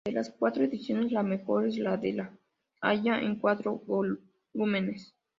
De las cuatro ediciones, la "mejor" es la de La Haya, en cuatro volúmenes.